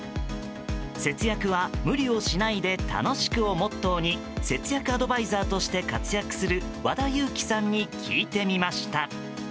節約は無理をしないで楽しくをモットーに節約アドバイザーとして活躍する和田由貴さんに聞いてみました。